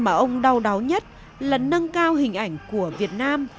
một mục đích mà ông đau đáo nhất là nâng cao hình ảnh của việt nam